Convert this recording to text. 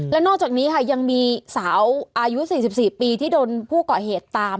แล้วนอกจากนี้ค่ะยังมีสาวอายุ๔๔ปีที่โดนผู้ก่อเหตุตาม